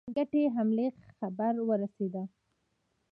ګډې حملې خبر ورسېدی.